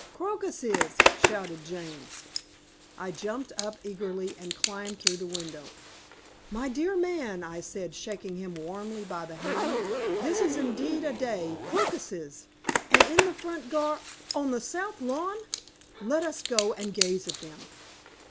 "Crocuses," shouted James. I jumped up eagerly and climbed through the window. "My dear man," I said, shaking him warmly by the hand, "this is indeed a day. Crocuses! And in the front gar on the South Lawn! Let us go and gaze at them."